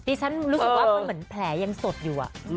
ฉันรู้สึกว่ามันเหมือนแผลยังสดอยู่